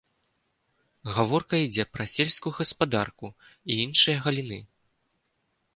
Гаворка ідзе пра сельскую гаспадарку і іншыя галіны.